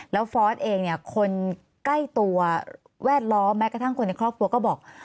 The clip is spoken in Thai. แล้วฟอร์สเองเนี่ยคนใกล้ตัวแวดล้อมแม้กระทั่งคนในครอบครัวก็บอก